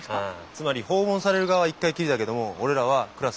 つまり訪問される側は１回きりだけども俺らはクラス生徒全員だろ？